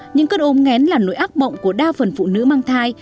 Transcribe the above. những cơn ốm ngén là nỗi ác mộng của đa phần phụ nữ mang thai